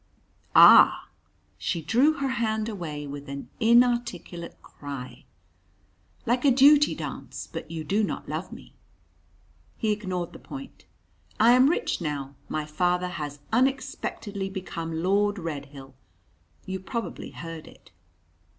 "Ah!" She drew her hand away with an inarticulate cry. "Like a duty dance, but you do not love me?" He ignored the point. "I am rich now my father has unexpectedly become Lord Redhill you probably heard it!"